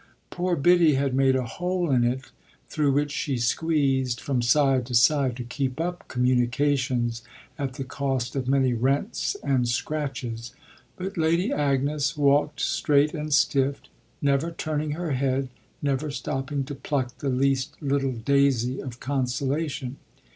Poor Biddy had made a hole in it through which she squeezed from side to side, to keep up communications, at the cost of many rents and scratches; but Lady Agnes walked straight and stiff, never turning her head, never stopping to pluck the least little daisy of consolation.